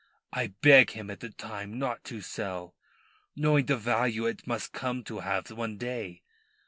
I beg him at the time not to sell, knowing the value it must come to have one day.